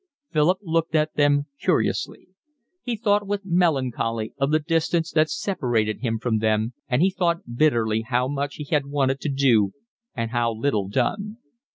Philip looked at them curiously. He thought with melancholy of the distance that separated him from them, and he thought bitterly how much he had wanted to do and how little done.